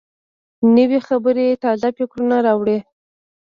نوې خبرې تازه فکرونه راوړي